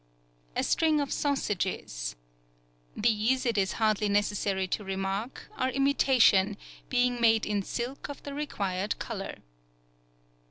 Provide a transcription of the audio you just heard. A string of sausages.—These, it is hardly necessary to remark, are imitation, being made in silk of the required color.